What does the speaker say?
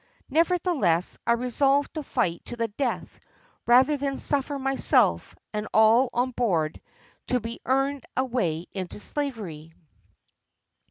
Nevertheless, I resolved to fight to the death rather than suffer myself and all on board to be earned away into slavery.